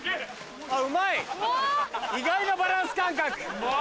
うまい意外なバランス感覚。